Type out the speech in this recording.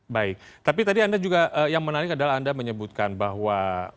baik tapi tadi anda juga yang menarik adalah anda menyebutkan bahwa